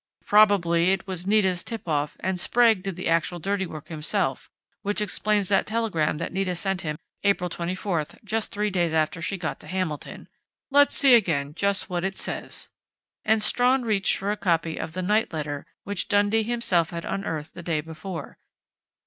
Probably it was Nita's tip off and Sprague did the actual dirty work himself, which explains that telegram that Nita sent him April 24, just three days after she got to Hamilton. Let's see again just what it says," and Strawn reached for a copy of the night letter which Dundee himself had unearthed the day before.